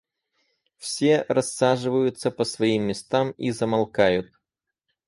Все рассаживаются по своим местам и замолкают.